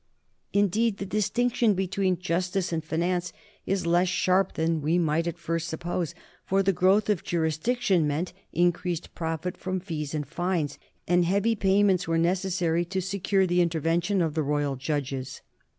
In deed, the distinction between justice and finance is less sharp than we might at first suppose, for the growth of jurisdiction meant increased profit from fees and fines, and heavy payments were necessary to secure the inter vention of the royal judges.